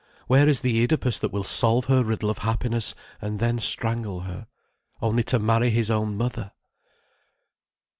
Where is the Oedipus that will solve her riddle of happiness, and then strangle her?—only to marry his own mother!